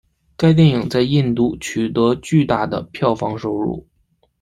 该电影在印度取得巨大的票房收入。